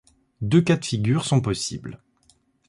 Deux cas de figure sont possibles.